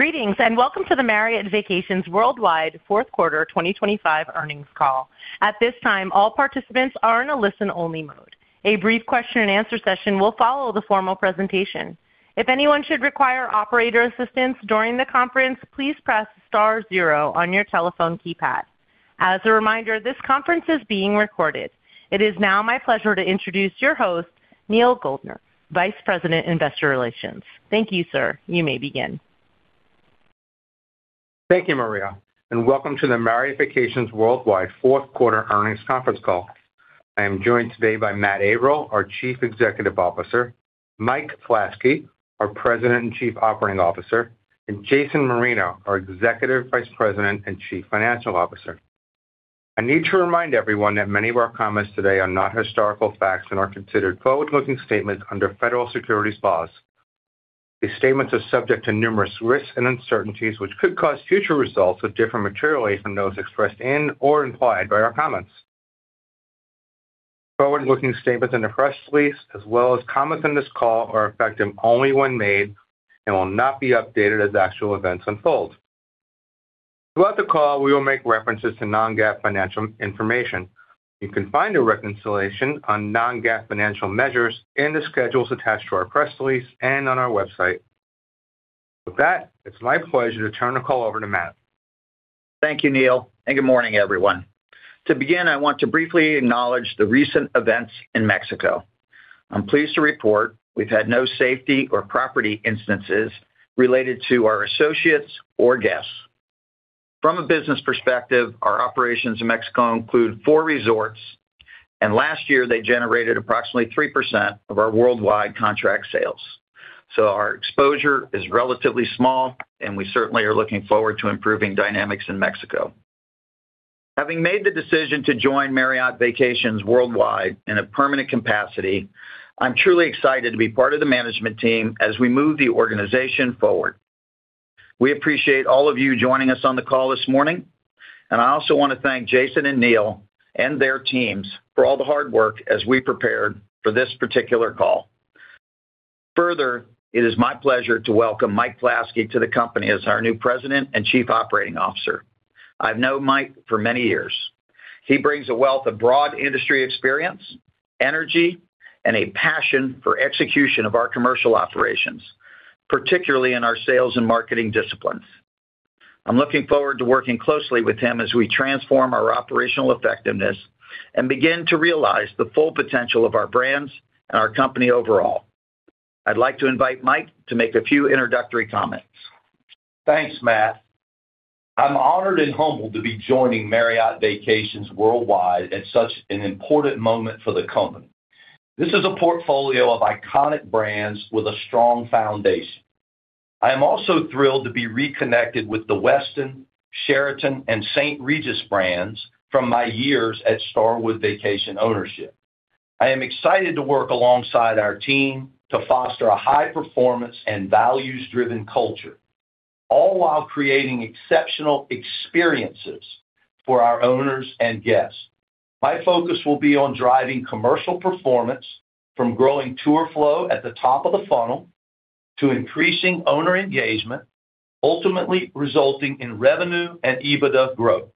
Greetings, welcome to the Marriott Vacations Worldwide fourth quarter 2025 earnings call. At this time, all participants are in a listen-only mode. A brief question-and-answer session will follow the formal presentation. If anyone should require operator assistance during the conference, please press star zero on your telephone keypad. As a reminder, this conference is being recorded. It is now my pleasure to introduce your host, Neal Goldner, Vice President, Investor Relations. Thank you, sir. You may begin. Thank you, Maria, welcome to the Marriott Vacations Worldwide fourth quarter earnings conference call. I am joined today by Matt Avril, our Chief Executive Officer, Mike Flaskey, our President and Chief Operating Officer, and Jason Marino, our Executive Vice President and Chief Financial Officer. I need to remind everyone that many of our comments today are not historical facts and are considered forward-looking statements under federal securities laws. These statements are subject to numerous risks and uncertainties, which could cause future results to differ materially from those expressed in or implied by our comments. Forward-looking statements in the press release, as well as comments on this call, are effective only when made and will not be updated as actual events unfold. Throughout the call, we will make references to non-GAAP financial information. You can find a reconciliation on non-GAAP financial measures in the schedules attached to our press release and on our website. With that, it's my pleasure to turn the call over to Matt. Thank you, Neal. Good morning, everyone. To begin, I want to briefly acknowledge the recent events in Mexico. I'm pleased to report we've had no safety or property instances related to our associates or guests. From a business perspective, our operations in Mexico include four resorts, and last year they generated approximately 3% of our worldwide contract sales. Our exposure is relatively small, and we certainly are looking forward to improving dynamics in Mexico. Having made the decision to join Marriott Vacations Worldwide in a permanent capacity, I'm truly excited to be part of the management team as we move the organization forward. We appreciate all of you joining us on the call this morning, and I also want to thank Jason and Neal and their teams for all the hard work as we prepared for this particular call. It is my pleasure to welcome Mike Flaskey to the company as our new President and Chief Operating Officer. I've known Mike for many years. He brings a wealth of broad industry experience, energy, and a passion for execution of our commercial operations, particularly in our sales and marketing disciplines. I'm looking forward to working closely with him as we transform our operational effectiveness and begin to realize the full potential of our brands and our company overall. I'd like to invite Mike to make a few introductory comments. Thanks, Matt. I'm honored and humbled to be joining Marriott Vacations Worldwide at such an important moment for the company. This is a portfolio of iconic brands with a strong foundation. I am also thrilled to be reconnected with the Westin, Sheraton, and St. Regis brands from my years at Starwood Vacation Ownership. I am excited to work alongside our team to foster a high performance and values-driven culture, all while creating exceptional experiences for our owners and guests. My focus will be on driving commercial performance from growing tour flow at the top of the funnel to increasing owner engagement, ultimately resulting in revenue and EBITDA growth.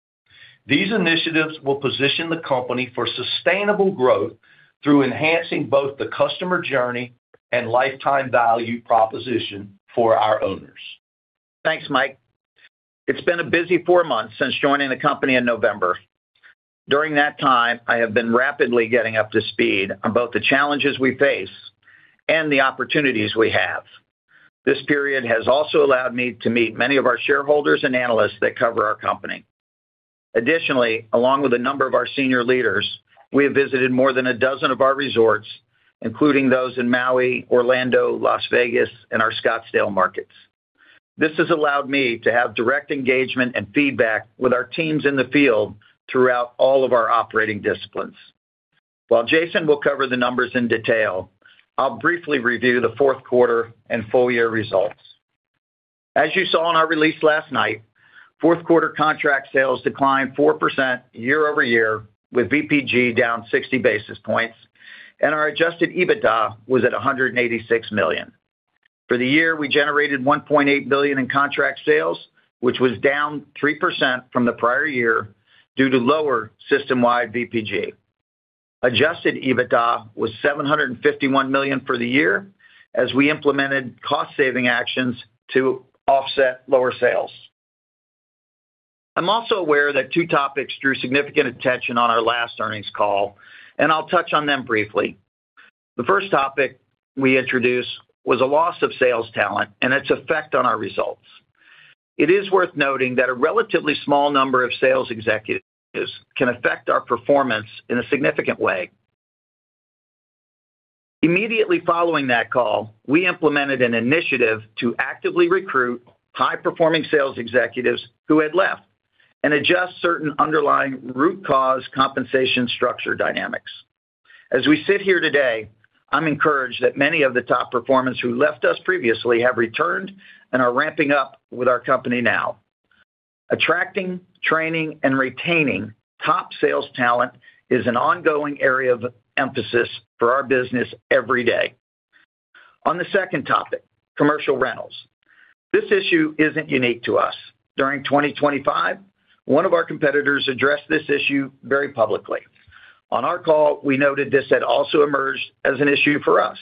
These initiatives will position the company for sustainable growth through enhancing both the customer journey and lifetime value proposition for our owners. Thanks, Mike. It's been a busy four months since joining the company in November. During that time, I have been rapidly getting up to speed on both the challenges we face and the opportunities we have. This period has also allowed me to meet many of our shareholders and analysts that cover our company. Additionally, along with a number of our senior leaders, we have visited more than a dozen of our resorts, including those in Maui, Orlando, Las Vegas, and our Scottsdale markets. This has allowed me to have direct engagement and feedback with our teams in the field throughout all of our operating disciplines. While Jason will cover the numbers in detail, I'll briefly review the fourth quarter and full year results. As you saw in our release last night, fourth quarter contract sales declined 4% year-over-year, with VPG down 60 basis points, and our Adjusted EBITDA was at $186 million. For the year, we generated $1.8 billion in contract sales, which was down 3% from the prior year due to lower system-wide VPG. Adjusted EBITDA was $751 million for the year as we implemented cost-saving actions to offset lower sales. I'm also aware that two topics drew significant attention on our last earnings call, and I'll touch on them briefly. The first topic we introduced was a loss of sales talent and its effect on our results. It is worth noting that a relatively small number of sales executives can affect our performance in a significant way. Immediately following that call, we implemented an initiative to actively recruit high-performing sales executives who had left and adjust certain underlying root cause compensation structure dynamics. As we sit here today, I'm encouraged that many of the top performers who left us previously have returned and are ramping up with our company now. Attracting, training, and retaining top sales talent is an ongoing area of emphasis for our business every day. On the second topic, commercial rentals. This issue isn't unique to us. During 2025, one of our competitors addressed this issue very publicly. On our call, we noted this had also emerged as an issue for us.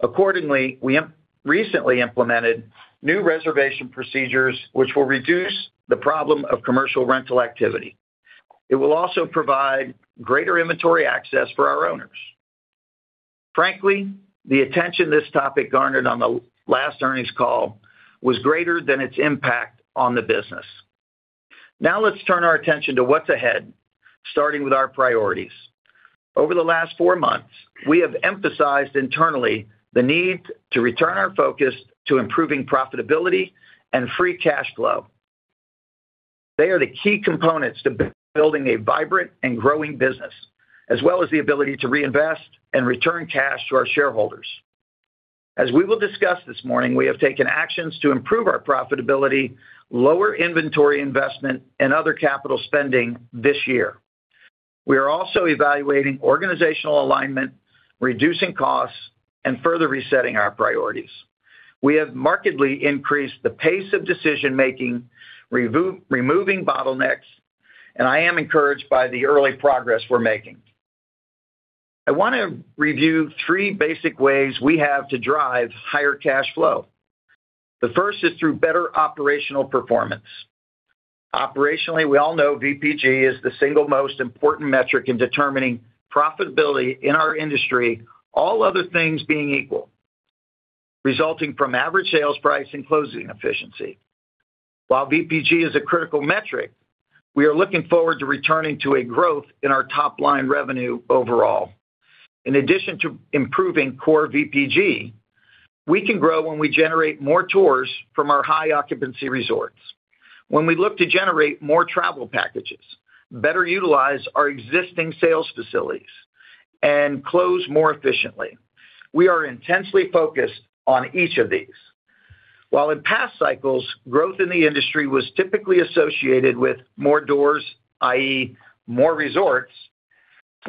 Accordingly, we have recently implemented new reservation procedures which will reduce the problem of commercial rental activity. It will also provide greater inventory access for our owners. Frankly, the attention this topic garnered on the last earnings call was greater than its impact on the business. Now let's turn our attention to what's ahead, starting with our priorities. Over the last four months, we have emphasized internally the need to return our focus to improving profitability and free cash flow. They are the key components to building a vibrant and growing business, as well as the ability to reinvest and return cash to our shareholders. As we will discuss this morning, we have taken actions to improve our profitability, lower inventory investment, and other capital spending this year. We are also evaluating organizational alignment, reducing costs, and further resetting our priorities. We have markedly increased the pace of decision making, removing bottlenecks, and I am encouraged by the early progress we're making. I want to review three basic ways we have to drive higher cash flow. The first is through better operational performance. Operationally, we all know VPG is the single most important metric in determining profitability in our industry, all other things being equal, resulting from average sales price and closing efficiency. While VPG is a critical metric, we are looking forward to returning to a growth in our top line revenue overall. In addition to improving core VPG, we can grow when we generate more tours from our high occupancy resorts, when we look to generate more travel packages, better utilize our existing sales facilities, and close more efficiently. We are intensely focused on each of these. While in past cycles, growth in the industry was typically associated with more doors, i.e., more resorts,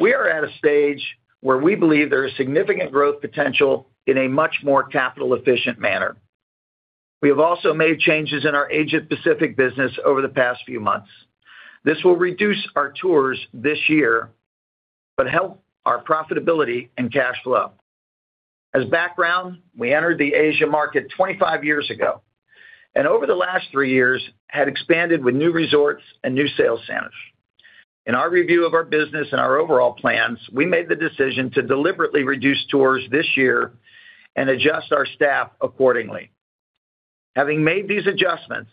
we are at a stage where we believe there is significant growth potential in a much more capital efficient manner. We have also made changes in our Asia Pacific business over the past few months. This will reduce our tours this year, but help our profitability and cash flow. As background, we entered the Asia market 25 years ago, over the last three years had expanded with new resorts and new sales centers. In our review of our business and our overall plans, we made the decision to deliberately reduce tours this year and adjust our staff accordingly. Having made these adjustments,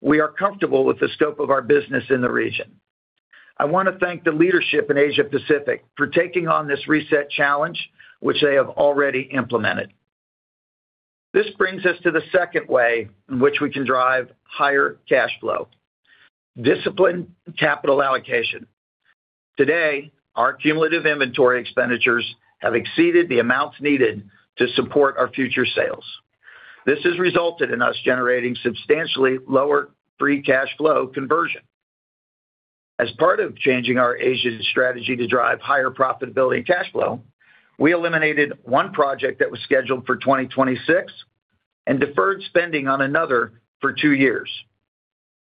we are comfortable with the scope of our business in the region. I want to thank the leadership in Asia Pacific for taking on this reset challenge, which they have already implemented. This brings us to the second way in which we can drive higher cash flow: disciplined capital allocation. Today, our cumulative inventory expenditures have exceeded the amounts needed to support our future sales. This has resulted in us generating substantially lower free cash flow conversion. As part of changing our Asia strategy to drive higher profitability and cash flow, we eliminated one project that was scheduled for 2026 and deferred spending on another for two years.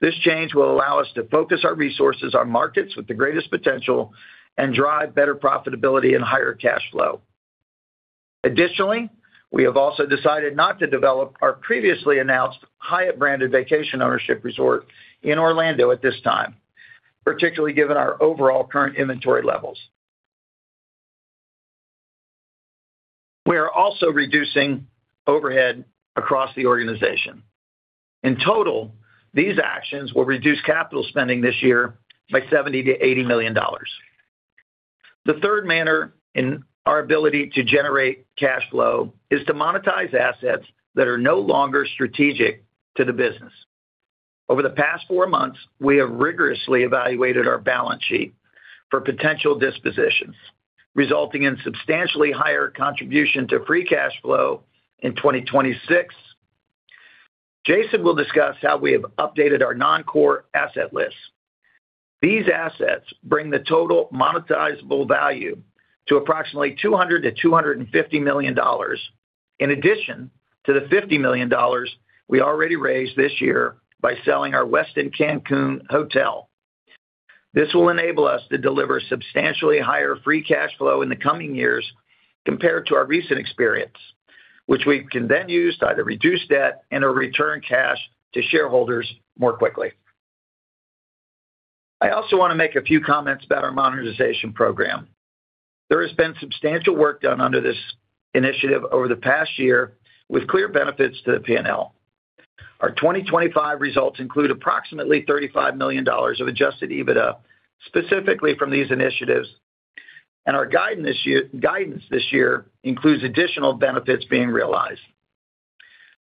This change will allow us to focus our resources on markets with the greatest potential and drive better profitability and higher cash flow. Additionally, we have also decided not to develop our previously announced Hyatt branded vacation ownership resort in Orlando at this time, particularly given our overall current inventory levels. We are also reducing overhead across the organization. In total, these actions will reduce capital spending this year by $70 million-$80 million. The third manner in our ability to generate cash flow is to monetize assets that are no longer strategic to the business. Over the past four months, we have rigorously evaluated our balance sheet for potential dispositions, resulting in substantially higher contribution to free cash flow in 2026. Jason will discuss how we have updated our non-core asset list. These assets bring the total monetizable value to approximately $200 million-$250 million, in addition to the $50 million we already raised this year by selling our Westin Cancun Hotel. This will enable us to deliver substantially higher free cash flow in the coming years compared to our recent experience, which we can then use to either reduce debt and/or return cash to shareholders more quickly. I also want to make a few comments about our monetization program. There has been substantial work done under this initiative over the past year, with clear benefits to the PNL. Our 2025 results include approximately $35 million of Adjusted EBITDA, specifically from these initiatives, and our guidance this year includes additional benefits being realized.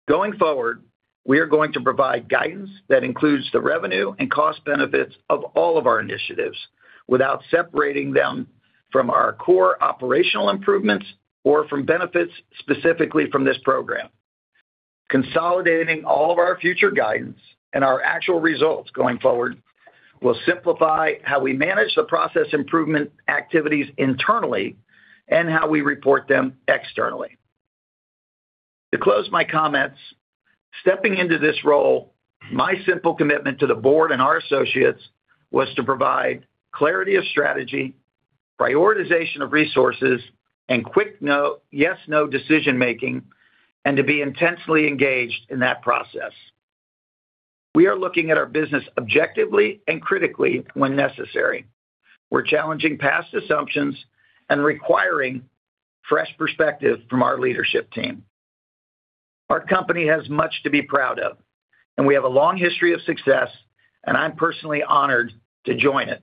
Going forward, we are going to provide guidance that includes the revenue and cost benefits of all of our initiatives without separating them out from our core operational improvements or from benefits specifically from this program. Consolidating all of our future guidance and our actual results going forward will simplify how we manage the process improvement activities internally and how we report them externally. To close my comments, stepping into this role, my simple commitment to the board and our associates was to provide clarity of strategy, prioritization of resources, and quick yes, no decision making, and to be intensely engaged in that process. We are looking at our business objectively and critically when necessary. We're challenging past assumptions and requiring fresh perspective from our leadership team. Our company has much to be proud of, and we have a long history of success, and I'm personally honored to join it.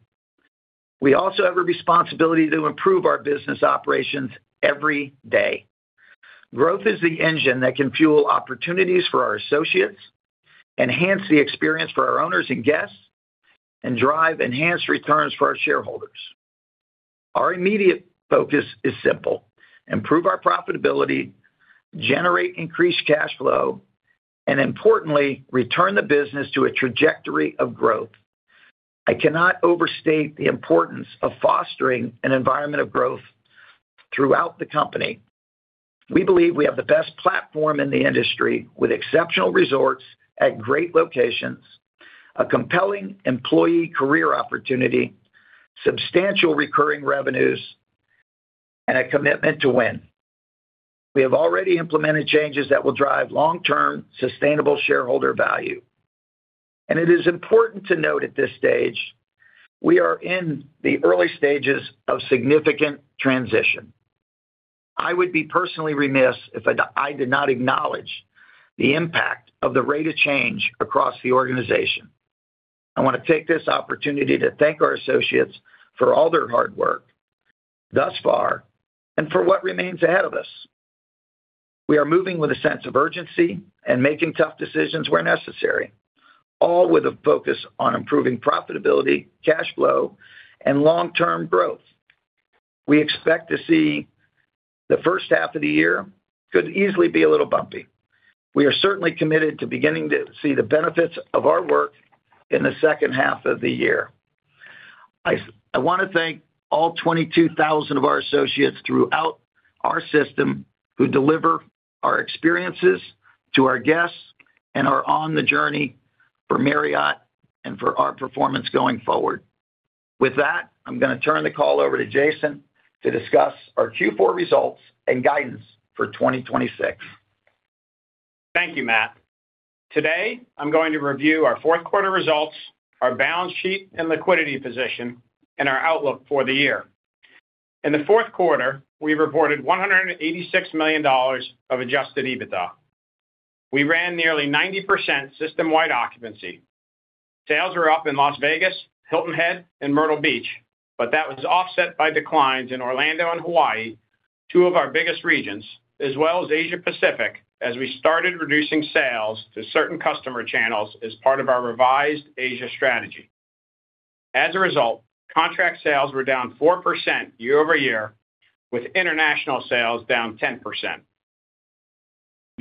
We also have a responsibility to improve our business operations every day. Growth is the engine that can fuel opportunities for our associates, enhance the experience for our owners and guests, and drive enhanced returns for our shareholders. Our immediate focus is simple: improve our profitability, generate increased cash flow, and importantly, return the business to a trajectory of growth. I cannot overstate the importance of fostering an environment of growth throughout the company. We believe we have the best platform in the industry with exceptional resorts at great locations, a compelling employee career opportunity, substantial recurring revenues, and a commitment to win. We have already implemented changes that will drive long-term sustainable shareholder value, and it is important to note at this stage, we are in the early stages of significant transition. I would be personally remiss if I did not acknowledge the impact of the rate of change across the organization. I want to take this opportunity to thank our associates for all their hard work thus far and for what remains ahead of us. We are moving with a sense of urgency and making tough decisions where necessary, all with a focus on improving profitability, cash flow, and long-term growth. We expect to see the first half of the year could easily be a little bumpy. We are certainly committed to beginning to see the benefits of our work in the second half of the year. I want to thank all 22,000 of our associates throughout our system who deliver our experiences to our guests and are on the journey for Marriott and for our performance going forward. With that, I'm going to turn the call over to Jason Marino to discuss our Q4 results and guidance for 2026. Thank you, Matt. Today, I'm going to review our fourth quarter results, our balance sheet and liquidity position, and our outlook for the year. In the fourth quarter, we reported $186 million of Adjusted EBITDA. We ran nearly 90% system-wide occupancy. Sales were up in Las Vegas, Hilton Head, and Myrtle Beach, but that was offset by declines in Orlando and Hawaii, two of our biggest regions, as well as Asia Pacific, as we started reducing sales to certain customer channels as part of our revised Asia strategy. As a result, Contract sales were down 4% year-over-year, with international sales down 10%.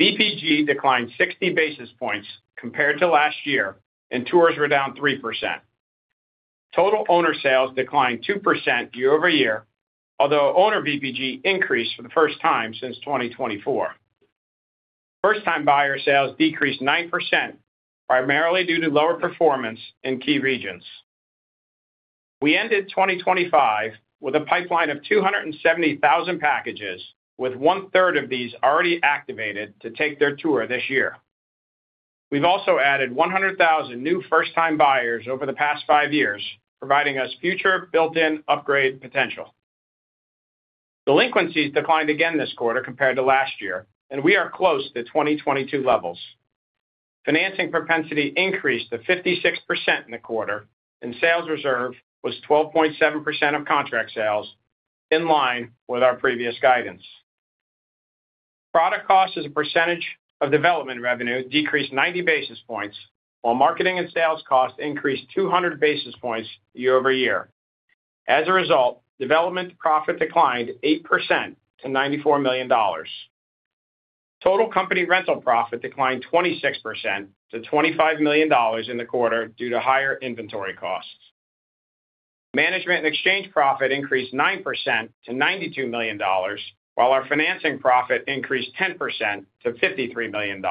VPG declined 60 basis points compared to last year, and tours were down 3%. Total owner sales declined 2% year-over-year, although owner VPG increased for the first time since 2024. First-time buyer sales decreased 9%, primarily due to lower performance in key regions. We ended 2025 with a pipeline of 270,000 packages, with one-third of these already activated to take their tour this year. We've also added 100,000 new first-time buyers over the past five years, providing us future built-in upgrade potential. Delinquencies declined again this quarter compared to last year. We are close to 2022 levels. Financing propensity increased to 56% in the quarter, and sales reserve was 12.7% of contract sales, in line with our previous guidance. Product cost as a percentage of development revenue decreased 90 basis points, while marketing and sales costs increased 200 basis points year over year. As a result, development profit declined 8% to $94 million. Total company rental profit declined 26% to $25 million in the quarter due to higher inventory costs. Management and exchange profit increased 9% to $92 million, while our financing profit increased 10% to $53 million,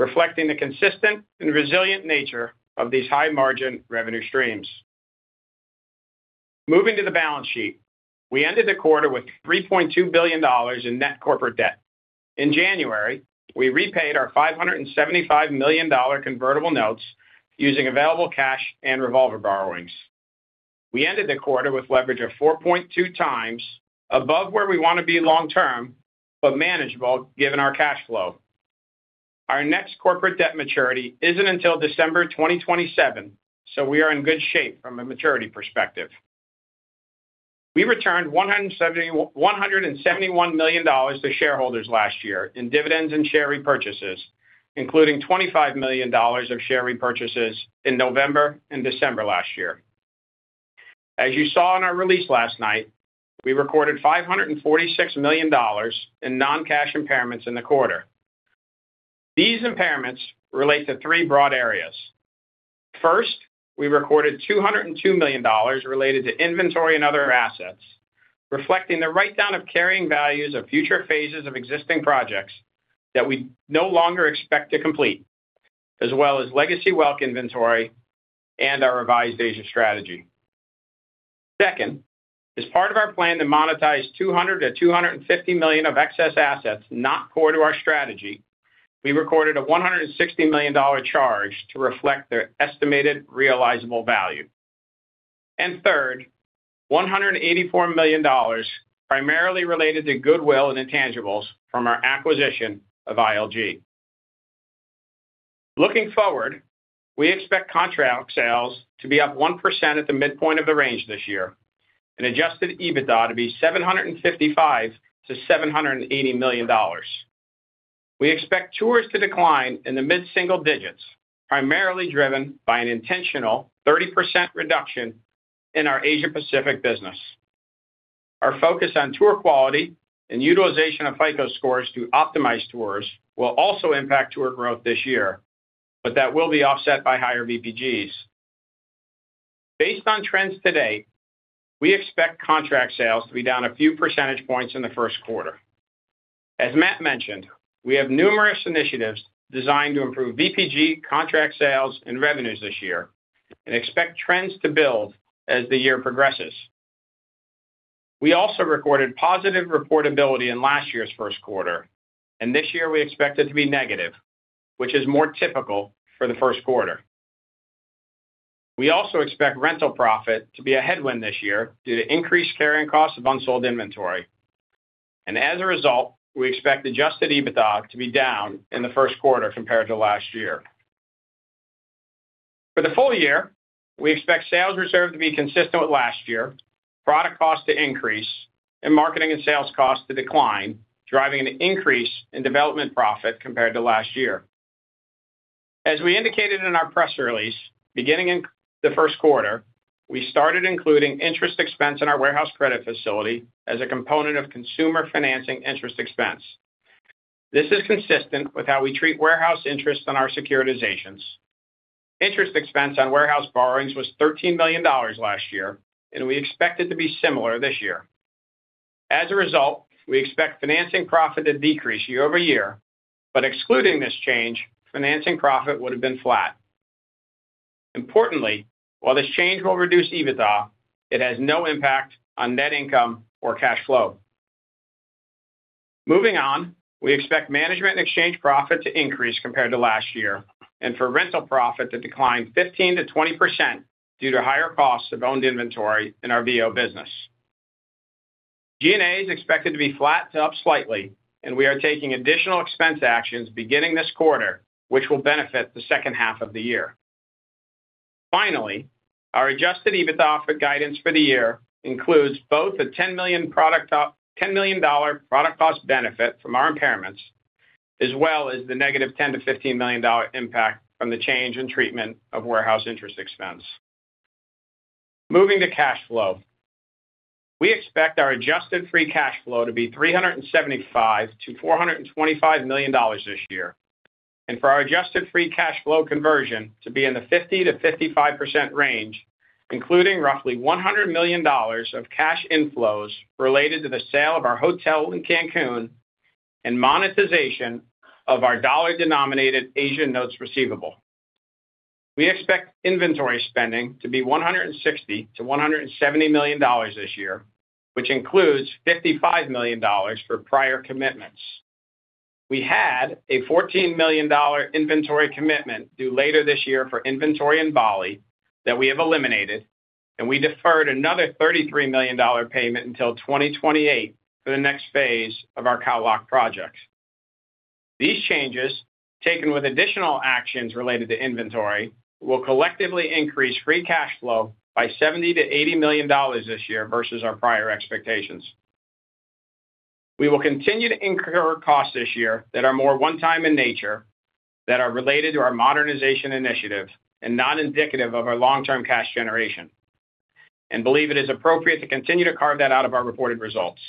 reflecting the consistent and resilient nature of these high-margin revenue streams. Moving to the balance sheet, we ended the quarter with $3.2 billion in net corporate debt. In January, we repaid our $575 million convertible notes using available cash and revolver borrowings. We ended the quarter with leverage of 4.2x above where we want to be long term, but manageable given our cash flow. Our next corporate debt maturity isn't until December 2027. We are in good shape from a maturity perspective. We returned $170 million, $171 million to shareholders last year in dividends and share repurchases, including $25 million of share repurchases in November and December last year. As you saw in our release last night, we recorded $546 million in non-cash impairments in the quarter. These impairments relate to three broad areas. First, we recorded $202 million related to inventory and other assets, reflecting the write-down of carrying values of future phases of existing projects that we no longer expect to complete, as well as legacy well inventory and our revised Asia strategy. Second, as part of our plan to monetize $200 million-$250 million of excess assets, not core to our strategy, we recorded a $160 million charge to reflect their estimated realizable value. Third, $184 million primarily related to goodwill and intangibles from our acquisition of ILG. Looking forward, we expect contract sales to be up 1% at the midpoint of the range this year, and Adjusted EBITDA to be $755 million-$780 million. We expect tours to decline in the mid-single digits, primarily driven by an intentional 30% reduction in our Asia-Pacific business. Our focus on tour quality and utilization of FICO scores to optimize tours will also impact tour growth this year, but that will be offset by higher VPGs. Based on trends today, we expect contract sales to be down a few percentage points in the first quarter. As Matt mentioned, we have numerous initiatives designed to improve VPG, contract sales and revenues this year and expect trends to build as the year progresses. We also recorded positive reportability in last year's first quarter, and this year we expect it to be negative, which is more typical for the first quarter. We also expect rental profit to be a headwind this year due to increased carrying costs of unsold inventory. As a result, we expect Adjusted EBITDA to be down in the first quarter compared to last year. For the full year, we expect sales reserve to be consistent with last year, product cost to increase, and marketing and sales costs to decline, driving an increase in development profit compared to last year. As we indicated in our press release, beginning in the first quarter, we started including interest expense in our warehouse credit facility as a component of consumer financing interest expense. This is consistent with how we treat warehouse interest on our securitizations. Interest expense on warehouse borrowings was $13 million last year, and we expect it to be similar this year. As a result, we expect financing profit to decrease year-over-year, but excluding this change, financing profit would have been flat. Importantly, while this change will reduce EBITDA, it has no impact on net income or cash flow. Moving on, we expect management and exchange profit to increase compared to last year, and for rental profit to decline 15%-20% due to higher costs of owned inventory in our VO business. GNA is expected to be flat to up slightly, and we are taking additional expense actions beginning this quarter, which will benefit the second half of the year. Finally, our Adjusted EBITDA for guidance for the year includes both a $10 million product cost benefit from our impairments, as well as the negative $10 million-$15 million impact from the change in treatment of warehouse interest expense. Moving to cash flow. We expect our adjusted free cash flow to be $375 million-$425 million this year, and for our adjusted free cash flow conversion to be in the 50%-55% range, including roughly $100 million of cash inflows related to the sale of our hotel in Cancun and monetization of our dollar-denominated Asian notes receivable. We expect inventory spending to be $160 million-$170 million this year, which includes $55 million for prior commitments. We had a $14 million inventory commitment due later this year for inventory in Bali that we have eliminated, and we deferred another $33 million payment until 2028 for the next phase of our Khao Lak projects. These changes, taken with additional actions related to inventory, will collectively increase free cash flow by $70 million-$80 million this year versus our prior expectations. We will continue to incur costs this year that are more one-time in nature, that are related to our modernization initiative and not indicative of our long-term cash generation, and believe it is appropriate to continue to carve that out of our reported results.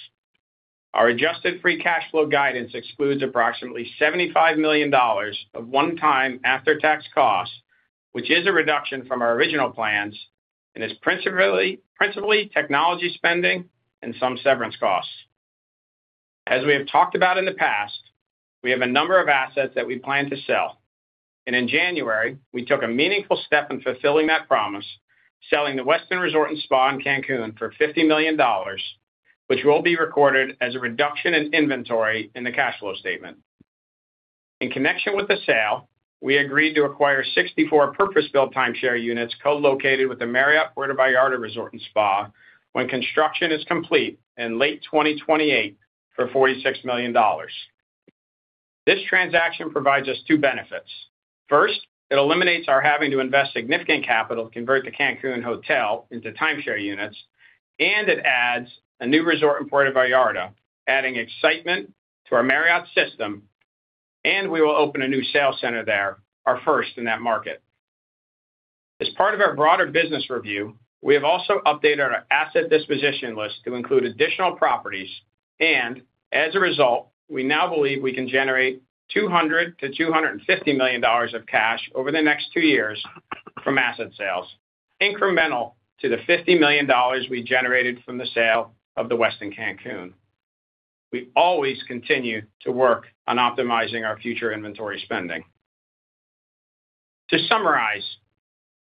Our adjusted free cash flow guidance excludes approximately $75 million of one-time after-tax costs, which is a reduction from our original plans and is principally technology spending and some severance costs. As we have talked about in the past, we have a number of assets that we plan to sell, and in January, we took a meaningful step in fulfilling that promise, selling The Westin Resort & Spa, Cancun for $50 million, which will be recorded as a reduction in inventory in the cash flow statement. In connection with the sale, we agreed to acquire 64 purpose-built timeshare units co-located with the Marriott Puerto Vallarta Resort & Spa when construction is complete in late 2028 for $46 million. This transaction provides us two benefits. First, it eliminates our having to invest significant capital to convert the Cancun hotel into timeshare units, and it adds a new resort in Puerto Vallarta, adding excitement to our Marriott system. We will open a new sales center there, our first in that market. As part of our broader business review, we have also updated our asset disposition list to include additional properties, and as a result, we now believe we can generate $200 million-$250 million of cash over the next two years from asset sales, incremental to the $50 million we generated from the sale of the Westin Cancun. We always continue to work on optimizing our future inventory spending. To summarize,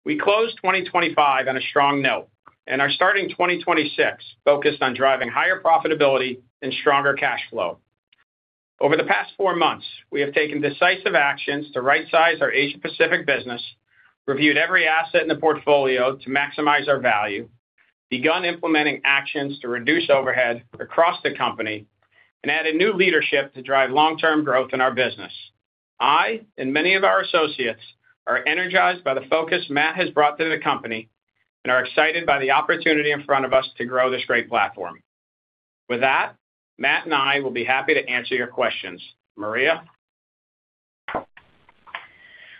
we closed 2025 on a strong note and are starting 2026 focused on driving higher profitability and stronger cash flow. Over the past four months, we have taken decisive actions to rightsize our Asia Pacific business, reviewed every asset in the portfolio to maximize our value, begun implementing actions to reduce overhead across the company, and added new leadership to drive long-term growth in our business. I and many of our associates are energized by the focus Matt has brought to the company and are excited by the opportunity in front of us to grow this great platform. With that, Matt and I will be happy to answer your questions. Maria?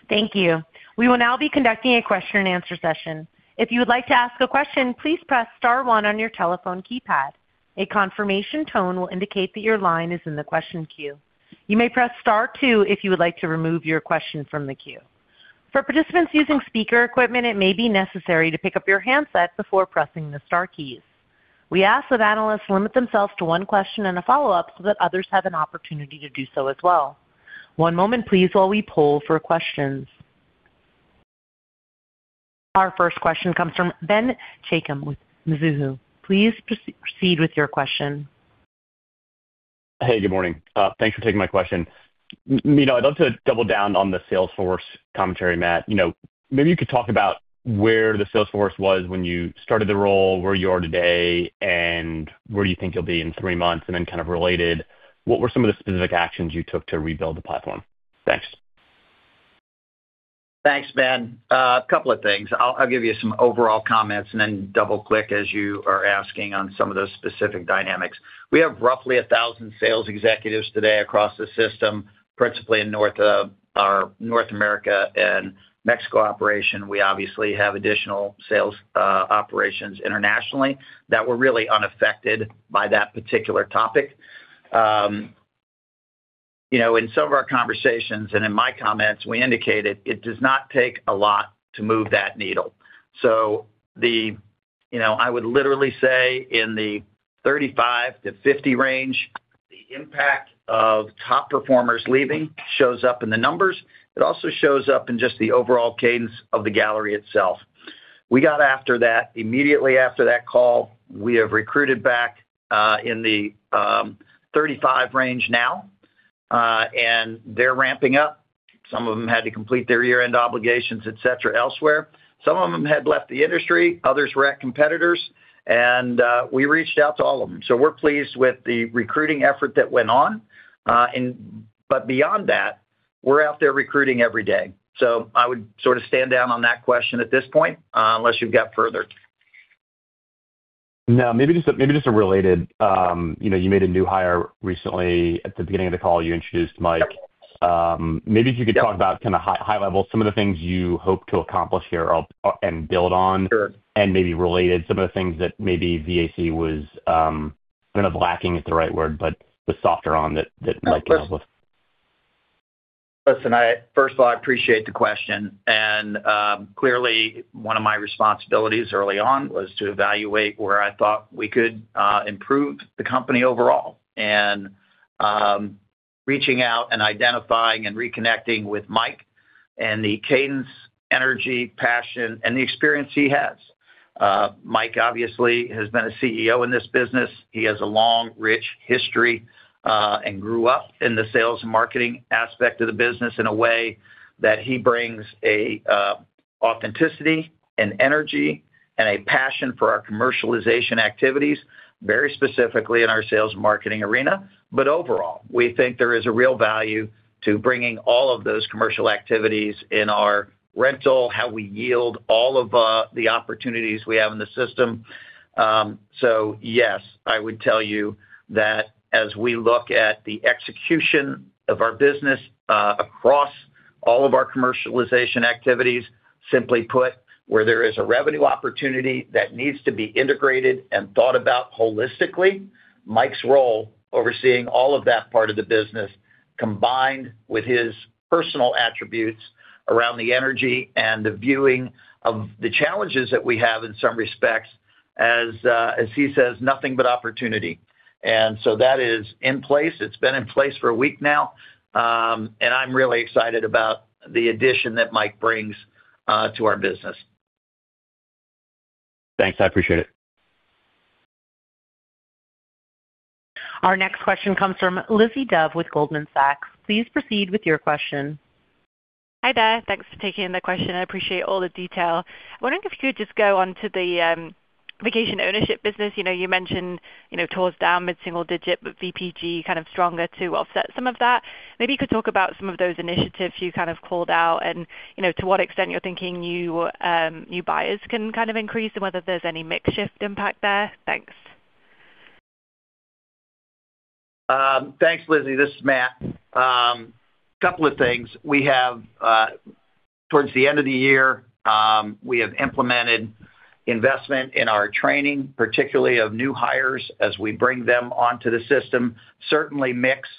Thank you. We will now be conducting a question-and-answer session. If you would like to ask a question, please press star one on your telephone keypad. A confirmation tone will indicate that your line is in the question queue. You may press star two if you would like to remove your question from the queue. For participants using speaker equipment, it may be necessary to pick up your handset before pressing the star keys. We ask that analysts limit themselves to one question and a follow-up, so that others have an opportunity to do so as well. One moment, please, while we poll for questions. Our first question comes from Ben Chaiken with Mizuho. Please proceed with your question. Hey, good morning. Thanks for taking my question. Me, I'd love to double down on the sales force commentary, Matt. You know, maybe you could talk about where the sales force was when you started the role, where you are today, and where you think you'll be in three months. Kind of related, what were some of the specific actions you took to rebuild the platform? Thanks. Thanks, Ben. A couple of things. I'll give you some overall comments and then double-click as you are asking on some of those specific dynamics. We have roughly 1,000 sales executives today across the system, principally in our North America and Mexico operation. We obviously have additional sales operations internationally that were really unaffected by that particular topic. You know, in some of our conversations and in my comments, we indicated it does not take a lot to move that needle. You know, I would literally say in the 35-50 range, the impact of top performers leaving shows up in the numbers. It also shows up in just the overall cadence of the gallery itself. We got after that immediately after that call. We have recruited back in the 35 range now, and they're ramping up. Some of them had to complete their year-end obligations, et cetera, elsewhere. Some of them had left the industry, others were at competitors, we reached out to all of them. We're pleased with the recruiting effort that went on, but beyond that, we're out there recruiting every day. I would sort of stand down on that question at this point, unless you've got further. No, maybe just a related. You know, you made a new hire recently. At the beginning of the call, you introduced Mike. Maybe if you could talk about, kind of high level, some of the things you hope to accomplish here or, and build on. Sure. Maybe related, some of the things that maybe VAC was, kind of lacking isn't the right word, but was softer on that Mike can help with. Listen, I first of all, I appreciate the question, and clearly, one of my responsibilities early on was to evaluate where I thought we could improve the company overall. Reaching out and identifying and reconnecting with Mike and the cadence, energy, passion, and the experience he has. Mike obviously has been a CEO in this business. He has a long, rich history and grew up in the sales and marketing aspect of the business in a way that he brings a authenticity and energy and a passion for our commercialization activities, very specifically in our sales and marketing arena. Overall, we think there is a real value to bringing all of those commercial activities in our rental, how we yield all of the opportunities we have in the system. Yes, I would tell you that as we look at the execution of our business, across all of our commercialization activities, simply put, where there is a revenue opportunity that needs to be integrated and thought about holistically, Mike's role overseeing all of that part of the business, combined with his personal attributes around the energy and the viewing of the challenges that we have in some respects, as he says, "Nothing but opportunity." That is in place. It's been in place for a week now, and I'm really excited about the addition that Mike brings to our business. Thanks, I appreciate it. Our next question comes from Lizzie Dove with Goldman Sachs. Please proceed with your question. Hi there. Thanks for taking the question. I appreciate all the detail. I'm wondering if you could just go on to the vacation ownership business. You know, you mentioned, you know, towards down mid-single digit, but VPG kind of stronger to offset some of that. Maybe you could talk about some of those initiatives you kind of called out and, you know, to what extent you're thinking you new buyers can kind of increase and whether there's any mix shift impact there? Thanks. Thanks, Lizzie. This is Matt. Couple of things. We have, towards the end of the year, we have implemented investment in our training, particularly of new hires, as we bring them onto the system. Certainly, mix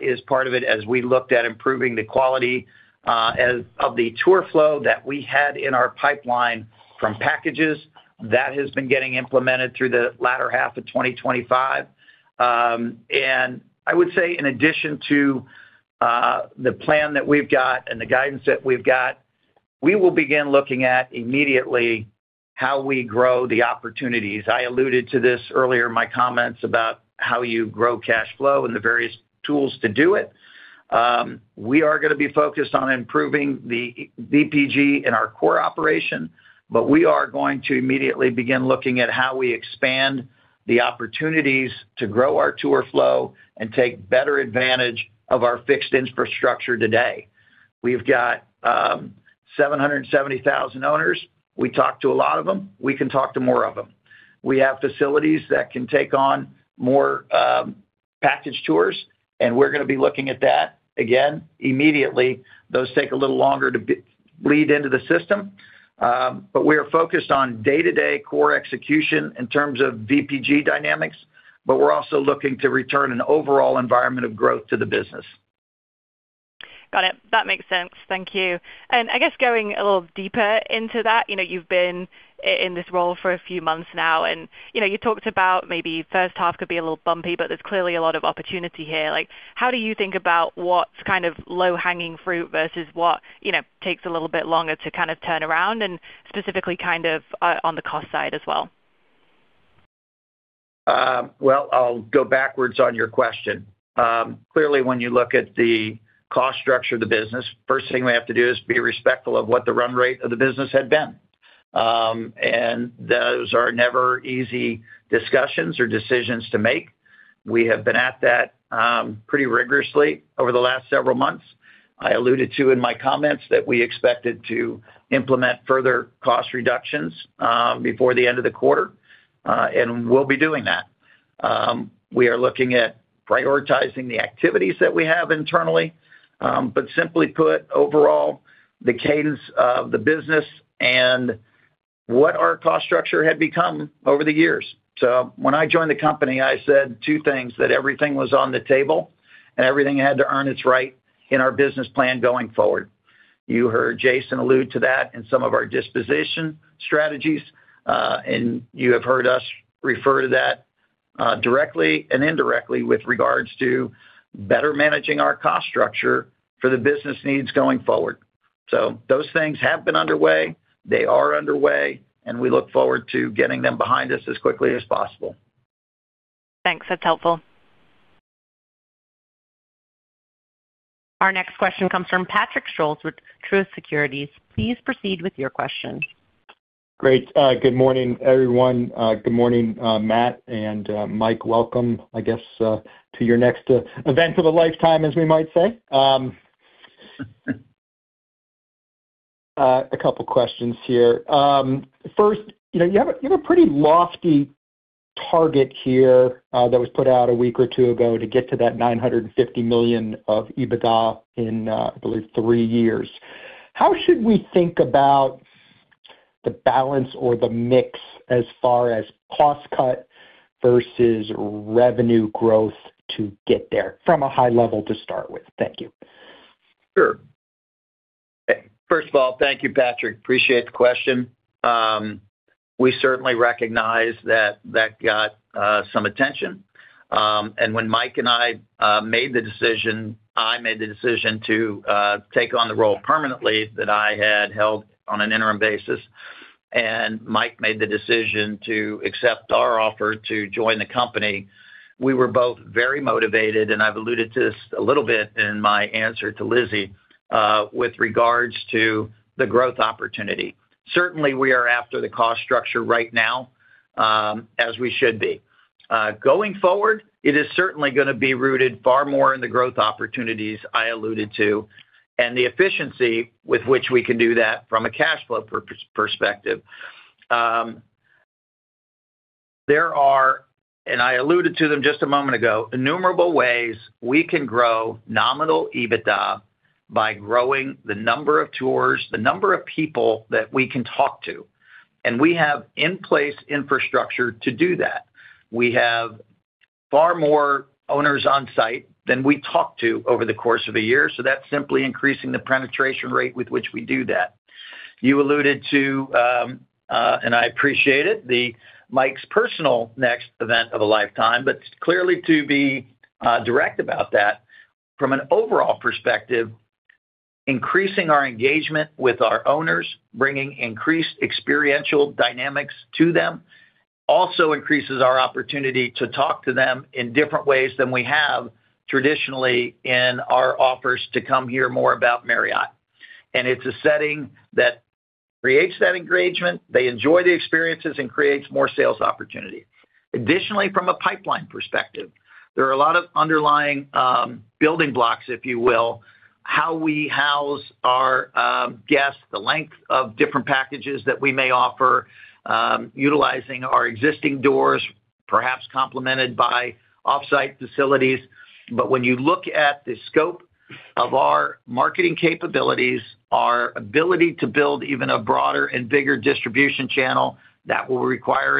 is part of it as we looked at improving the quality of the tour flow that we had in our pipeline from packages. That has been getting implemented through the latter half of 2025. I would say in addition to the plan that we've got and the guidance that we've got, we will begin looking at immediately how we grow the opportunities. I alluded to this earlier in my comments about how you grow cash flow and the various tools to do it. We are gonna be focused on improving the VPG in our core operation, we are going to immediately begin looking at how we expand the opportunities to grow our tour flow and take better advantage of our fixed infrastructure today. We've got 770,000 owners. We talk to a lot of them. We can talk to more of them. We have facilities that can take on more package tours, we're gonna be looking at that again immediately. Those take a little longer to bleed into the system, we are focused on day-to-day core execution in terms of VPG dynamics, we're also looking to return an overall environment of growth to the business. Got it. That makes sense. Thank you. I guess going a little deeper into that, you know, you've been in this role for a few months now, and, you know, you talked about maybe first half could be a little bumpy, but there's clearly a lot of opportunity here. Like, how do you think about what's kind of low-hanging fruit versus what, you know, takes a little bit longer to kind of turn around and specifically kind of on the cost side as well? Well, I'll go backwards on your question. Clearly, when you look at the cost structure of the business, first thing we have to do is be respectful of what the run rate of the business had been. Those are never easy discussions or decisions to make. We have been at that, pretty rigorously over the last several months. I alluded to in my comments that we expected to implement further cost reductions, before the end of the quarter, and we'll be doing that. We are looking at prioritizing the activities that we have internally, but simply put, overall, the cadence of the business and what our cost structure had become over the years. When I joined the company, I said two things, that everything was on the table, and everything had to earn its right in our business plan going forward. You heard Jason allude to that in some of our disposition strategies, and you have heard us refer to that, directly and indirectly with regards to better managing our cost structure for the business needs going forward. Those things have been underway, they are underway, and we look forward to getting them behind us as quickly as possible. Thanks. That's helpful. Our next question comes from Patrick Scholes with Truist Securities. Please proceed with your question. Great. Good morning, everyone. Good morning, Matt and Mike, welcome, I guess, to your next Events of a Lifetime, as we might say. A couple questions here. First, you know, you have a pretty lofty target here that was put out a week or two ago to get to that $950 million of EBITDA in, I believe, three years. How should we think about the balance or the mix as far as cost cut versus revenue growth to get there, from a high level to start with? Thank you. Sure. First of all, thank you, Patrick. Appreciate the question. We certainly recognize that that got some attention. When Mike and I made the decision to take on the role permanently that I had held on an interim basis, and Mike made the decision to accept our offer to join the company, we were both very motivated, and I've alluded to this a little bit in my answer to Lizzie, with regards to the growth opportunity. Certainly, we are after the cost structure right now, as we should be. Going forward, it is certainly gonna be rooted far more in the growth opportunities I alluded to and the efficiency with which we can do that from a cash flow perspective. There are, I alluded to them just a moment ago, innumerable ways we can grow nominal EBITDA by growing the number of tours, the number of people that we can talk to, and we have in place infrastructure to do that. We have far more owners on site than we talk to over the course of a year, so that's simply increasing the penetration rate with which we do that. You alluded to, and I appreciate it, Mike's personal next Event of a Lifetime, but clearly to be direct about that, from an overall perspective, increasing our engagement with our owners, bringing increased experiential dynamics to them, also increases our opportunity to talk to them in different ways than we have traditionally in our offers to come hear more about Marriott. It's a setting that creates that engagement, they enjoy the experiences and creates more sales opportunity. Additionally, from a pipeline perspective, there are a lot of underlying building blocks, if you will, how we house our guests, the length of different packages that we may offer, utilizing our existing doors, perhaps complemented by off-site facilities. When you look at the scope of our marketing capabilities, our ability to build even a broader and bigger distribution channel, that will require,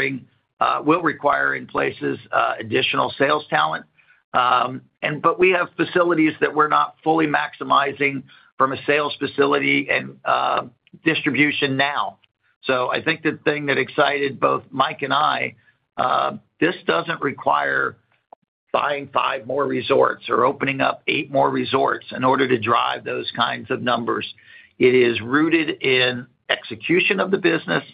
in places, additional sales talent. But we have facilities that we're not fully maximizing from a sales facility and distribution now. I think the thing that excited both Mike and I, this doesn't require buying five more resorts or opening up eight more resorts in order to drive those kinds of numbers. It is rooted in execution of the business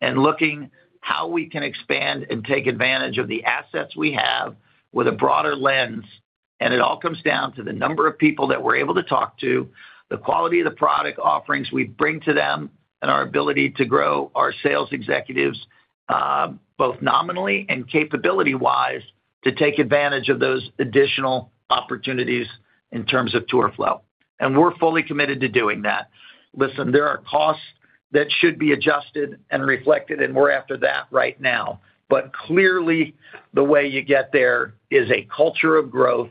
and looking how we can expand and take advantage of the assets we have with a broader lens. It all comes down to the number of people that we're able to talk to, the quality of the product offerings we bring to them, and our ability to grow our sales executives, both nominally and capability-wise, to take advantage of those additional opportunities in terms of tour flow. We're fully committed to doing that. Listen, there are costs that should be adjusted and reflected. We're after that right now. Clearly, the way you get there is a culture of growth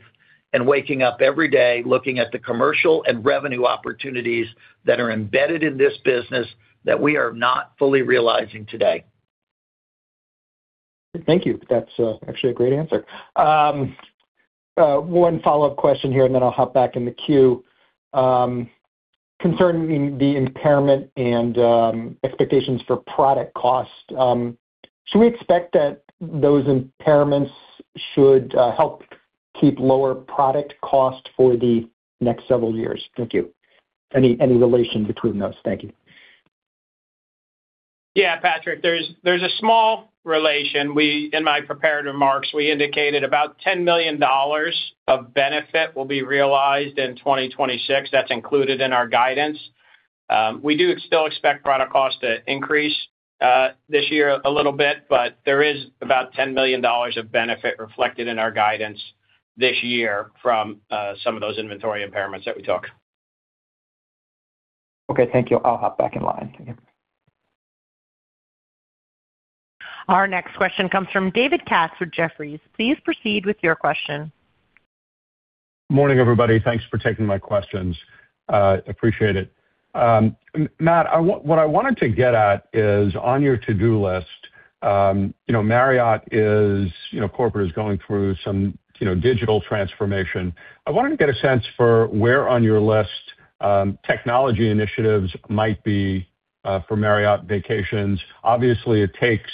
and waking up every day looking at the commercial and revenue opportunities that are embedded in this business that we are not fully realizing today. Thank you. That's actually a great answer. One follow-up question here, and then I'll hop back in the queue. Concerning the impairment and expectations for product cost, should we expect that those impairments should help keep lower product cost for the next several years? Thank you. Any relation between those? Thank you. Yeah, Patrick, there's a small relation. In my prepared remarks, we indicated about $10 million of benefit will be realized in 2026. That's included in our guidance. We do still expect product cost to increase this year a little bit, but there is about $10 million of benefit reflected in our guidance this year from some of those inventory impairments that we took. Okay, thank you. I'll hop back in line. Thank you. Our next question comes from David Katz from Jefferies. Please proceed with your question. Morning, everybody. Thanks for taking my questions. Appreciate it. Matt, what I wanted to get at is, on your to-do list, you know, Marriott is, you know, corporate is going through some, you know, digital transformation. I wanted to get a sense for where on your list, technology initiatives might be for Marriott Vacations. Obviously, it takes,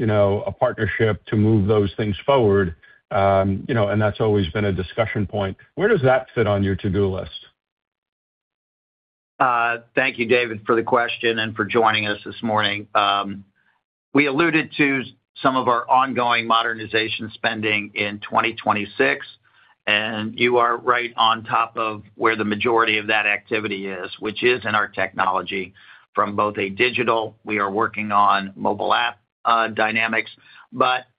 you know, a partnership to move those things forward, you know, and that's always been a discussion point. Where does that fit on your to-do list? Thank you, David, for the question and for joining us this morning. We alluded to some of our ongoing modernization spending in 2026, and you are right on top of where the majority of that activity is, which is in our technology from both a digital, we are working on mobile app dynamics.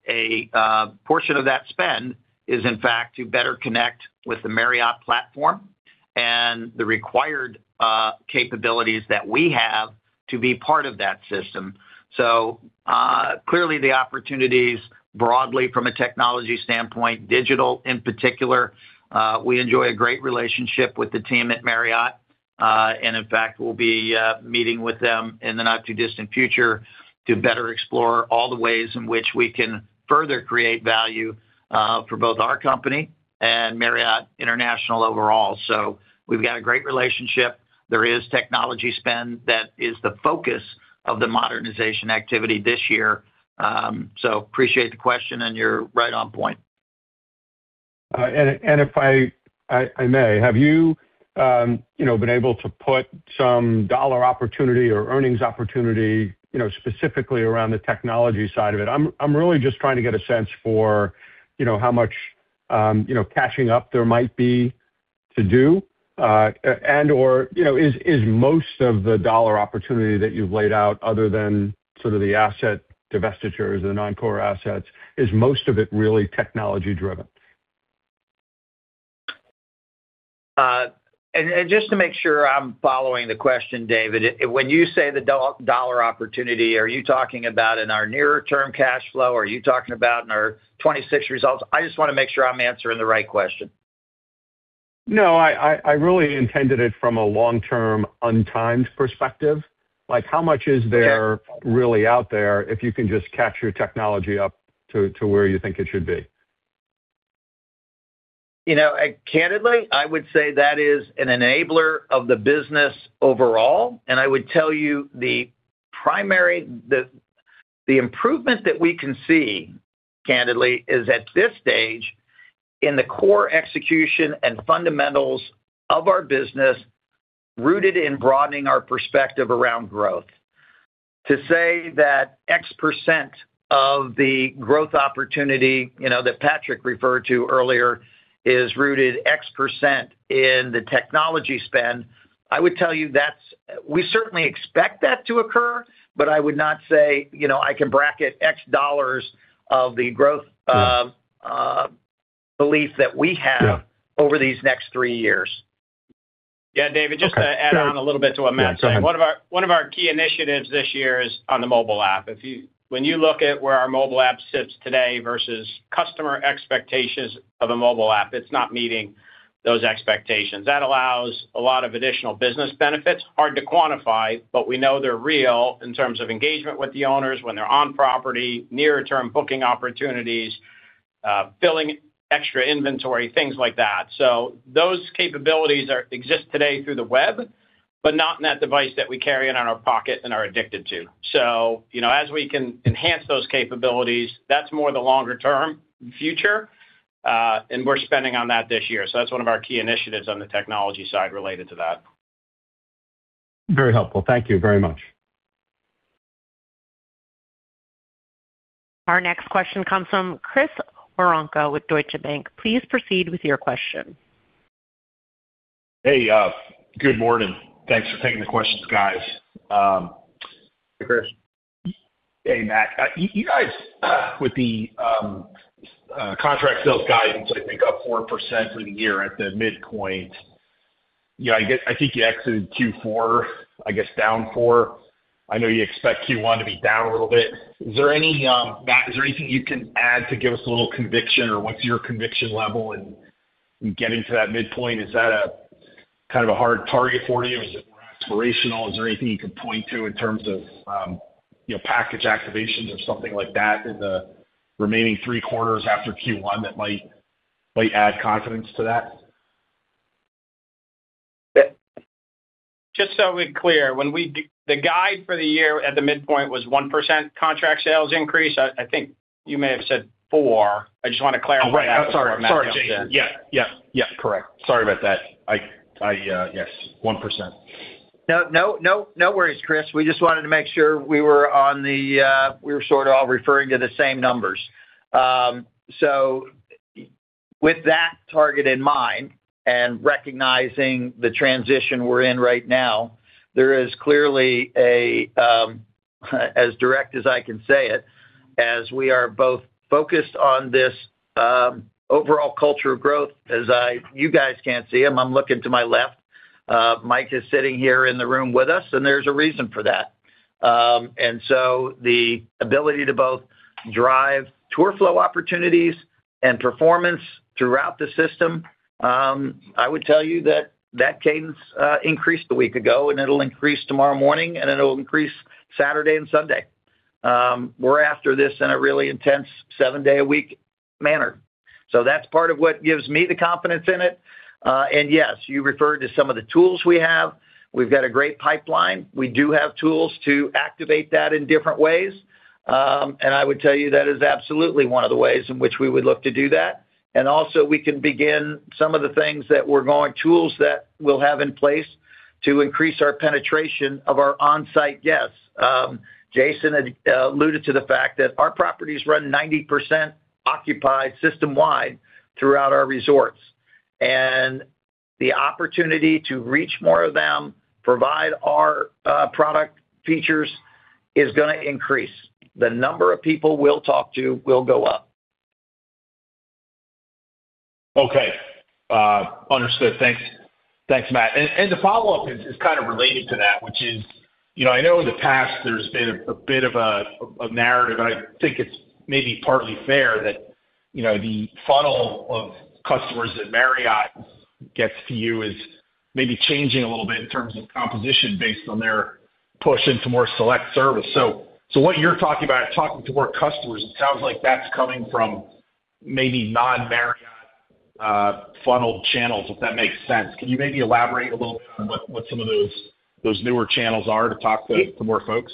A portion of that spend is, in fact, to better connect with the Marriott platform and the required capabilities that we have to be part of that system. Clearly, the opportunities broadly from a technology standpoint, digital in particular, we enjoy a great relationship with the team at Marriott. In fact, we'll be meeting with them in the not-too-distant future to better explore all the ways in which we can further create value for both our company and Marriott International overall. We've got a great relationship. There is technology spend that is the focus of the modernization activity this year. Appreciate the question. You're right on point. If I may, have you know, been able to put some dollar opportunity or earnings opportunity, you know, specifically around the technology side of it? I'm really just trying to get a sense for, you know, how much, you know, catching up there might be to do, and/or, you know, is most of the dollar opportunity that you've laid out other than sort of the asset divestitures and the non-core assets, is most of it really technology driven? Just to make sure I'm following the question, David, when you say the dollar opportunity, are you talking about in our nearer-term cash flow, or are you talking about in our 26 results? I just wanna make sure I'm answering the right question. No, I really intended it from a long-term, untimed perspective. Like, how much is there? Okay... really out there, if you can just catch your technology up to where you think it should be? You know, candidly, I would say that is an enabler of the business overall. I would tell you the improvements that we can see, candidly, is at this stage in the core execution and fundamentals of our business, rooted in broadening our perspective around growth. To say that X percent of the growth opportunity, you know, that Patrick referred to earlier, is rooted X percent in the technology spend, I would tell you that's... We certainly expect that to occur, but I would not say, you know, I can bracket X dollars of the growth belief that we have. Yeah. -over these next three years. Yeah, David. Okay. Just to add on a little bit to what Matt said. Yeah, go ahead. One of our key initiatives this year is on the mobile app. When you look at where our mobile app sits today versus customer expectations of a mobile app, it's not meeting those expectations. That allows a lot of additional business benefits. Hard to quantify, but we know they're real in terms of engagement with the owners when they're on property, near-term booking opportunities, filling extra inventory, things like that. Those capabilities exist today through the web, but not in that device that we carry in on our pocket and are addicted to. You know, as we can enhance those capabilities, that's more the longer-term future, and we're spending on that this year. That's one of our key initiatives on the technology side related to that. Very helpful. Thank you very much. Our next question comes from Chris Woronka with Deutsche Bank. Please proceed with your question. Hey, good morning. Thanks for taking the questions, guys. Hey, Chris. Hey, Matt. you guys, with the Contract sales guidance, I think up 4% for the year at the midpoint. Yeah, I think you exited Q4, I guess, down 4%. I know you expect Q1 to be down a little bit. Is there any, Matt, is there anything you can add to give us a little conviction, or what's your conviction level in getting to that midpoint? Is that a kind of a hard target for you, or is it more aspirational? Is there anything you can point to in terms of, you know, package activations or something like that in the remaining three quarters after Q1 that might add confidence to that? Just so we're clear, when the guide for the year at the midpoint was 1% contract sales increase. I think you may have said four. I just want to clarify. Oh, right, I'm sorry. Sorry, Jason. Yeah. Yes, yes, correct. Sorry about that. I... Yes, 1%. No, no, no worries, Chris. We just wanted to make sure we were on the, we were sort of all referring to the same numbers. With that target in mind and recognizing the transition we're in right now, there is clearly a, as direct as I can say it, as we are both focused on this, overall culture of growth as you guys can't see him, I'm looking to my left. Mike is sitting here in the room with us, and there's a reason for that. The ability to both drive tour flow opportunities and performance throughout the system, I would tell you that that cadence increased a week ago, and it'll increase tomorrow morning, and it'll increase Saturday and Sunday. We're after this in a really intense seven-day-a-week manner. That's part of what gives me the confidence in it. Yes, you referred to some of the tools we have. We've got a great pipeline. We do have tools to activate that in different ways. I would tell you that is absolutely one of the ways in which we would look to do that. We can begin some of the tools that we'll have in place to increase our penetration of our on-site guests. Jason had alluded to the fact that our properties run 90% occupied system-wide throughout our resorts, and the opportunity to reach more of them, provide our product features, is gonna increase. The number of people we'll talk to will go up. Okay, understood. Thanks, Matt. The follow-up is kind of related to that, which is, you know, I know in the past there's been a bit of a narrative, and I think it's maybe partly fair that, you know, the funnel of customers that Marriott gets to you is maybe changing a little bit in terms of composition based on their push into more select service. What you're talking about, talking to more customers, it sounds like that's coming from maybe non-Marriott funneled channels, if that makes sense. Can you maybe elaborate a little bit on what some of those newer channels are to talk to more folks?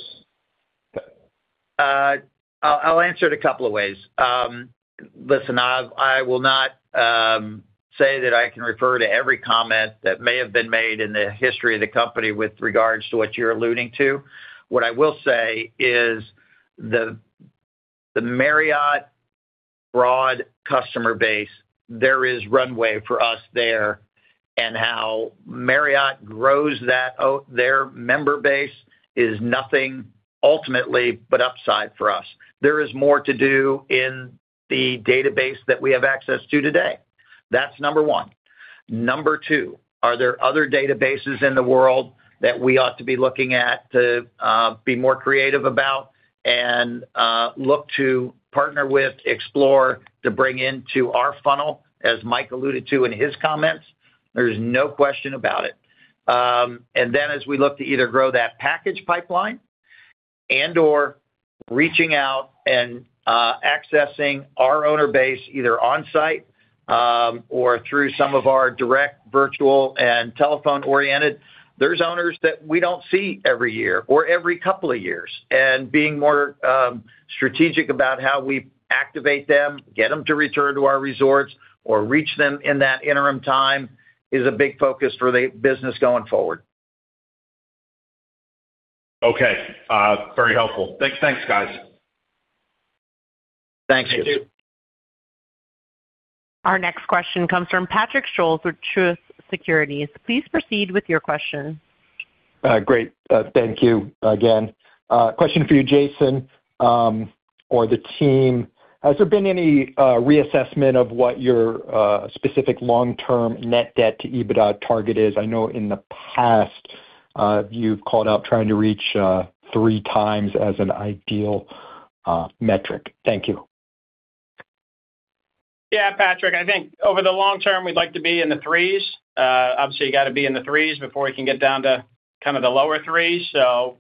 I'll answer it a couple of ways. listen, I will not say that I can refer to every comment that may have been made in the history of the company with regards to what you're alluding to. What I will say is the Marriott broad customer base, there is runway for us there, and how Marriott grows their member base is nothing ultimately but upside for us. There is more to do in the database that we have access to today. That's number one. Number two: Are there other databases in the world that we ought to be looking at to be more creative about and look to partner with, explore, to bring into our funnel, as Mike alluded to in his comments? There's no question about it. As we look to either grow that package pipeline and/or reaching out and accessing our owner base, either on-site, or through some of our direct, virtual, and telephone-oriented, there's owners that we don't see every year or every couple of years. Being more strategic about how we activate them, get them to return to our resorts, or reach them in that interim time is a big focus for the business going forward. Okay, very helpful. Thanks. Thanks, guys. Thank you. Our next question comes from Patrick Scholes with Truist Securities. Please proceed with your question. Great. Thank you again. Question for you, Jason, or the team. Has there been any reassessment of what your specific long-term net debt to EBITDA target is? I know in the past, you've called out trying to reach three times as an ideal metric. Thank you. Yeah, Patrick, I think over the long term, we'd like to be in the threes. Obviously, you got to be in the threes before we can get down to kind of the lower threes.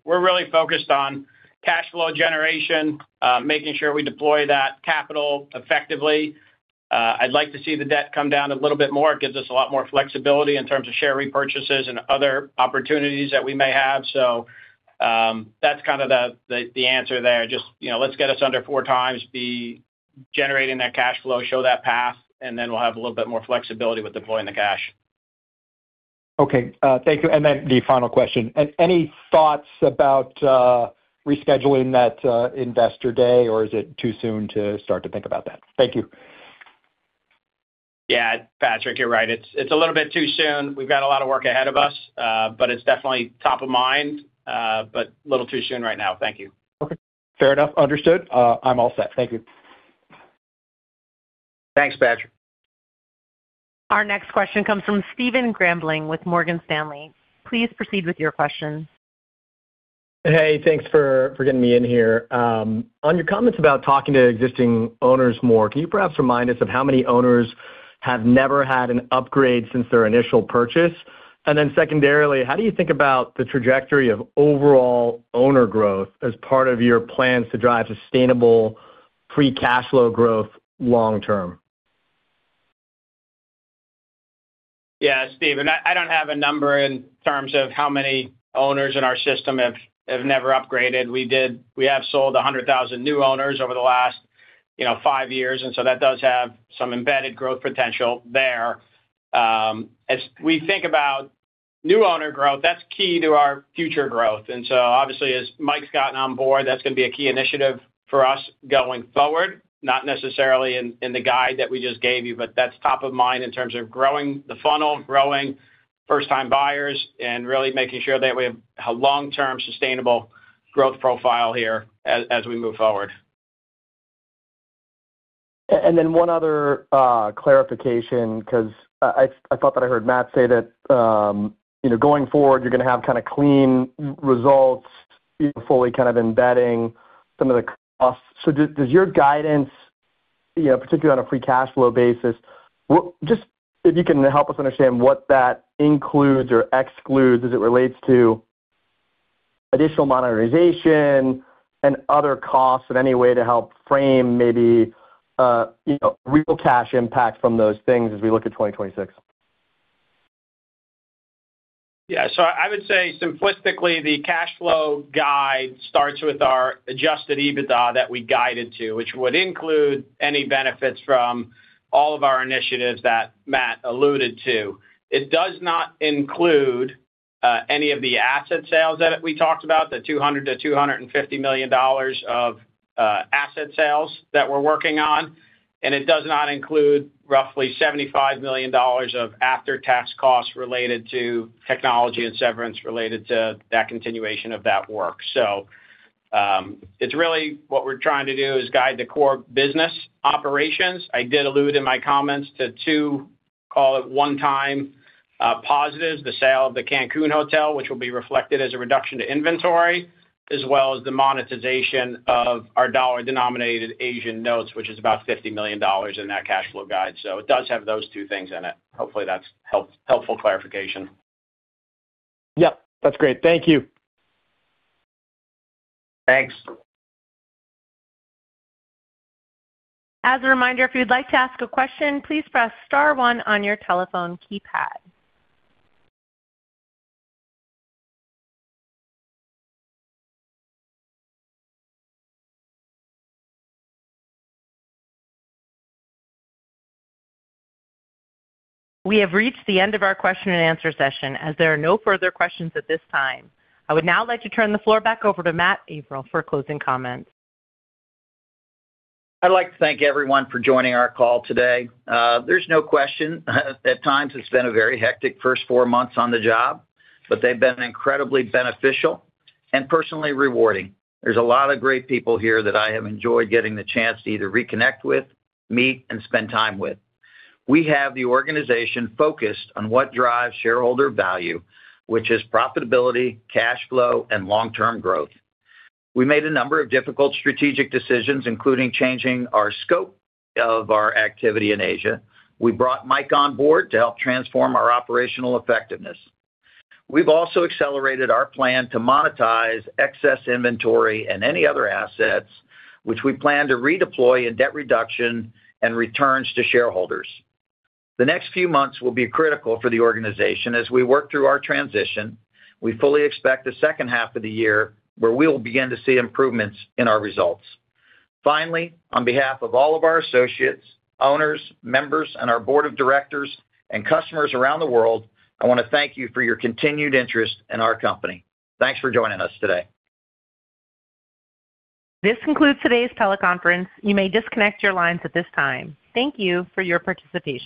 We're really focused on cash flow generation, making sure we deploy that capital effectively. I'd like to see the debt come down a little bit more. It gives us a lot more flexibility in terms of share repurchases and other opportunities that we may have. That's kind of the answer there. Just, you know, let's get us under four times, be generating that cash flow, show that path, and then we'll have a little bit more flexibility with deploying the cash. Okay, thank you. The final question: Any thoughts about rescheduling that investor day, or is it too soon to start to think about that? Thank you. Yeah, Patrick, you're right. It's a little bit too soon. We've got a lot of work ahead of us, but it's definitely top of mind, but a little too soon right now. Thank you. Okay, fair enough. Understood. I'm all set. Thank you. Thanks, Patrick. Our next question comes from Stephen Grambling with Morgan Stanley. Please proceed with your question. Hey, thanks for getting me in here. On your comments about talking to existing owners more, can you perhaps remind us of how many owners have never had an upgrade since their initial purchase? Secondarily, how do you think about the trajectory of overall owner growth as part of your plans to drive sustainable free cash flow growth long term? Yeah, Stephen, I don't have a number in terms of how many owners in our system have never upgraded. We have sold 100,000 new owners over the last, you know, five years, that does have some embedded growth potential there. As we think about new owner growth, that's key to our future growth. Obviously, as Mike's gotten on board, that's gonna be a key initiative for us going forward, not necessarily in the guide that we just gave you, but that's top of mind in terms of growing the funnel, growing first-time buyers, and really making sure that we have a long-term sustainable growth profile here as we move forward. One other clarification, 'cause I thought that I heard Matt say that, you know, going forward, you're gonna have kind of clean results, fully kind of embedding some of the costs. Does, does your guidance, you know, particularly on a free cash flow basis, just if you can help us understand what that includes or excludes as it relates to additional monetization and other costs in any way to help frame maybe, you know, real cash impact from those things as we look at 2026? Yeah, I would say simplistically, the cash flow guide starts with our Adjusted EBITDA that we guided to, which would include any benefits from all of our initiatives that Matt alluded to. It does not include any of the asset sales that we talked about, the $200 million-$250 million of asset sales that we're working on, and it does not include roughly $75 million of after-tax costs related to technology and severance related to that continuation of that work. It's really what we're trying to do is guide the core business operations. I did allude in my comments to two, call it, one-time positives: the sale of the Cancun hotel, which will be reflected as a reduction to inventory, as well as the monetization of our dollar-denominated Asian notes, which is about $50 million in that cash flow guide. It does have those two things in it. Hopefully, that's helpful clarification. Yep, that's great. Thank you. Thanks. As a reminder, if you'd like to ask a question, please press star one on your telephone keypad. We have reached the end of our question and answer session, as there are no further questions at this time. I would now like to turn the floor back over to Matt Avril for closing comments. I'd like to thank everyone for joining our call today. There's no question, at times, it's been a very hectic first four months on the job, but they've been incredibly beneficial and personally rewarding. There's a lot of great people here that I have enjoyed getting the chance to either reconnect with, meet, and spend time with. We have the organization focused on what drives shareholder value, which is profitability, cash flow, and long-term growth. We made a number of difficult strategic decisions, including changing our scope of our activity in Asia. We brought Mike on board to help transform our operational effectiveness. We've also accelerated our plan to monetize excess inventory and any other assets, which we plan to redeploy in debt reduction and returns to shareholders. The next few months will be critical for the organization as we work through our transition. We fully expect the second half of the year, where we will begin to see improvements in our results. Finally, on behalf of all of our associates, owners, members, and our board of directors and customers around the world, I want to thank you for your continued interest in our company. Thanks for joining us today. This concludes today's teleconference. You may disconnect your lines at this time. Thank you for your participation.